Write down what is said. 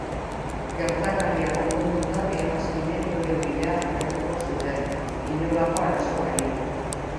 Gertakaria konponduta, bi hegazkinek euren bidea jarraitu zuten, inolako arazo barik.